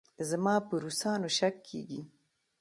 زما په روسانو شک کېږي.